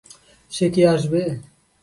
সে কি আসবে?